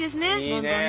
どんどんね。